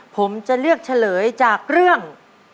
ผมจะเลือกเฉลยจากเรื่อง